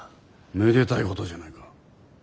めでたいことじゃないか。